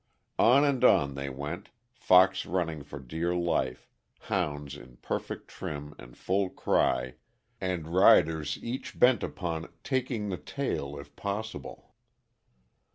On and on they went, fox running for dear life, hounds in perfect trim and full cry, and riders each bent upon "taking the tail" if possible.